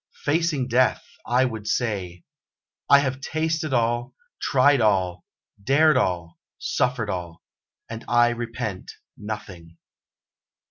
Facing Death, I would say: 'I have tasted all, tried all, dared all, suffered all, and I repent nothing.'